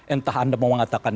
entah anda mau mengatakan